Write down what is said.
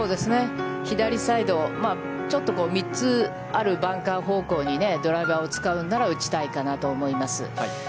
左サイド、ちょっと３つあるバンカー方向にドライバーを使うなら打ちたいかなと思います。